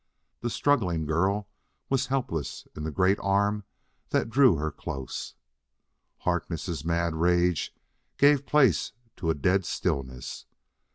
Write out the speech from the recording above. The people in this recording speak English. The struggling girl was helpless in the great arm that drew her close. Harkness' mad rage gave place to a dead stillness.